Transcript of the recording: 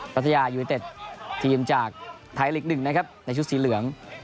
พัทยายูนิเต็ดทีมจากไทยลีก๑นะครับในชุดสีเหลือง